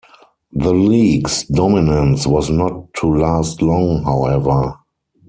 The League's dominance was not to last long, however.